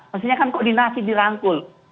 mestinya kan koordinasi dirangkul